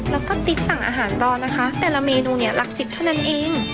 แล้วก็ติ๊กสั่งอาหารตอนนะคะแต่ละเมนูลักษิติเท่านั้นเอง